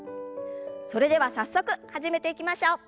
それでは早速始めていきましょう。